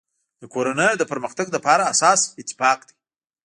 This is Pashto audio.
د کورنی د پرمختګ لپاره اساس اتفاق دی.